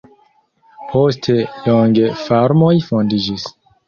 Poste longe farmoj fondiĝis.